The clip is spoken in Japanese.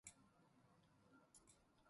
雨が降りそうな空ですね。